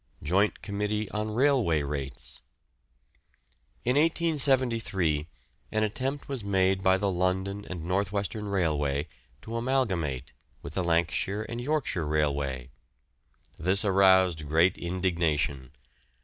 JOINT COMMITTEE ON RAILWAY RATES. In 1873 an attempt was made by the London and North Western Railway to amalgamate with the Lancashire and Yorkshire Railway. This aroused great indignation.